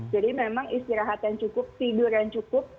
jadi memang istirahat yang cukup tidur yang cukup